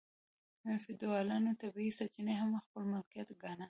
فیوډالانو طبیعي سرچینې هم خپل ملکیت ګاڼه.